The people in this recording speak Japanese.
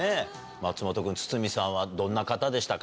松本君、筒美さんはどんな方でしたか？